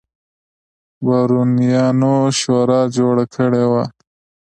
بارونیانو شورا جوړه کړې وه.